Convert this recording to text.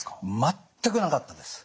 全くなかったです。